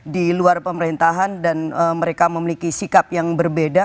di luar pemerintahan dan mereka memiliki sikap yang berbeda